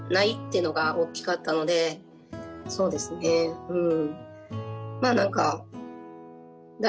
そうですねうん。